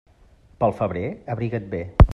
Pel febrer, abriga't bé.